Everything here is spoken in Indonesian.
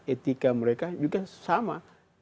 etika mereka juga sama